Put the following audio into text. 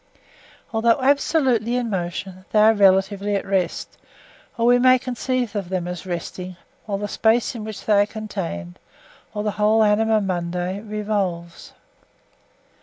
Although absolutely in motion, they are relatively at rest; or we may conceive of them as resting, while the space in which they are contained, or the whole anima mundi, revolves.